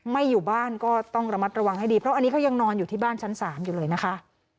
อยู่บ้านก็ต้องระมัดระวังให้ดีเพราะอันนี้เขายังนอนอยู่ที่บ้านชั้น๓อยู่เลยนะคะ